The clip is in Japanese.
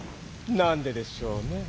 なんででしょうね？